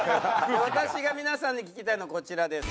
私が皆さんに聞きたいのはこちらです。